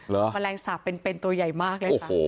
แมลงสาปเป็นตัวใหญ่มากเลยค่ะ